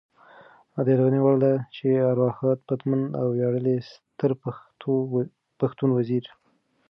د یادونې وړ ده چې د ارواښاد پتمن او ویاړلي ستر پښتون وزیر